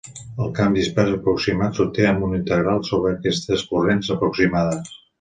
El camp dispers aproximat s'obté amb una integral sobre aquestes corrents aproximades.